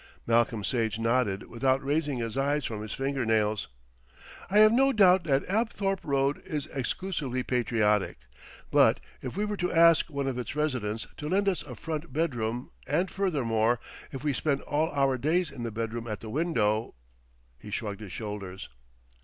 Malcolm Sage nodded without raising his eyes from his finger nails. "I have no doubt that Apthorpe Road is exclusively patriotic; but if we were to ask one of its residents to lend us a front bedroom and, furthermore, if we spent all our days in the bedroom at the window " He shrugged his shoulders.